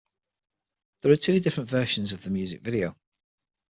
There are two different versions of the music video.